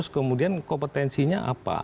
kemudian kompetensinya apa